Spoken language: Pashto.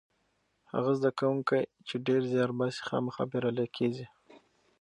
هغه زده کوونکی چې ډېر زیار باسي خامخا بریالی کېږي.